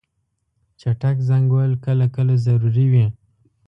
چټک زنګ وهل کله کله ضروري وي.